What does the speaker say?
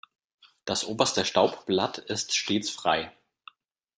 Das oberste Staubblatt ist stets frei.